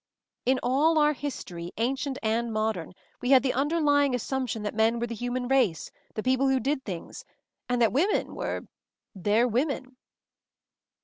In all our history, ancient and modern, we had the underlying asump tion that men were the human race, the peo ple who did things; and that women — were 'their women.'